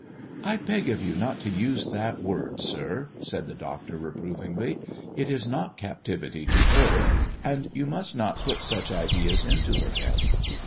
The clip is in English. "I beg of you not to use that word, sir," said the doctor reprovingly, " it is not captivity to her ; and you must not put such ideas into her head.